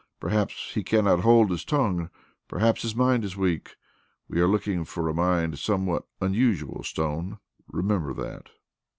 Perhaps he cannot hold his tongue; perhaps his mind is weak. We are looking for a mind somewhat unusual, Stone, remember that."